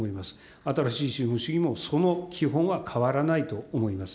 新しい資本主義も、その基本は変わらないと思います。